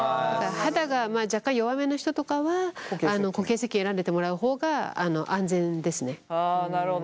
肌が若干弱めの人とかは固形せっけん選んでてもらう方が安全ですね。